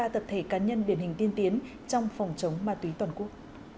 một trăm bốn mươi ba tập thể cá nhân biển hình tiên tiến trong phòng chống ma túy toàn quốc